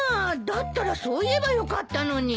だったらそう言えばよかったのに。